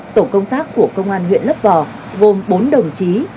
tổ công tác của công an huyện lấp vò gồm bốn đồng chí